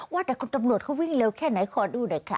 ว่าแต่คุณตำรวจเขาวิ่งเร็วแค่ไหนขอดูหน่อยค่ะ